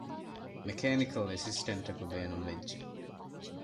މެކޭނިކަލް އެސިސްޓެންޓަކު ބޭނުންވެއްޖެ